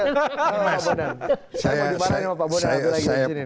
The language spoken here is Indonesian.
mas saya mau diparahi sama pak bonan